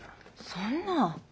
そんな。